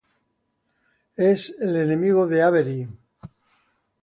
Es el enemigo de Avery.